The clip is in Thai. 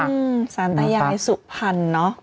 อืมสรรพยายามให้สุขพันธ์เนอะ